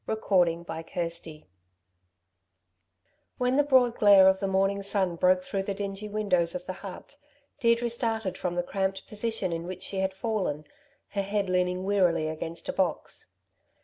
CHAPTER XXXVIII When the broad glare of the morning sun broke through the dingy windows of the hut, Deirdre started from the cramped position in which she had fallen, her head leaning wearily against a box.